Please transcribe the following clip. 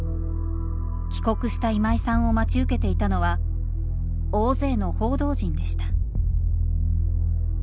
帰国した今井さんを待ち受けていたのは大勢の報道陣でした。